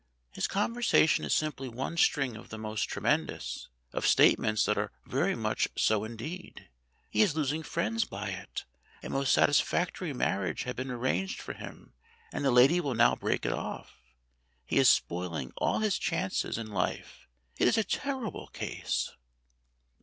"His conversation is simply one string of the most tremendous of statements that are very much so indeed. He is losing friends by it. A most satisfac tory marriage had been arranged for him, and the lady will now break it off. He is spoiling all his chances in life. It is a terrible case."